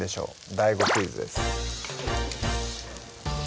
ＤＡＩＧＯクイズです